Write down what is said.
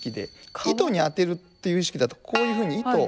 糸に当てるという意識だとこういうふうに糸。